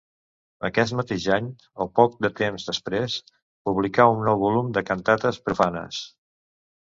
Aquest mateix any, o poc de temps després, publicà un nou volum de cantates profanes.